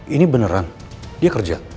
ini beneran dia kerja